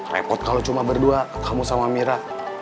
repot kalau cuma berdua kamu sama mira